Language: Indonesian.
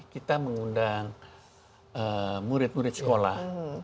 kita mengundang murid murid sekolah